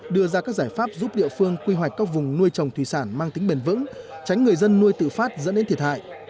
đưa ra các giải pháp giúp địa phương quy hoạch các vùng nuôi trồng thủy sản mang tính bền vững tránh người dân nuôi tự phát dẫn đến thiệt hại